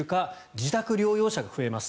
自宅療養者が増えます。